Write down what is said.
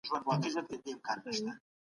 د بیان ازادۍ مطبوعاتو ته وده ورکړې وه.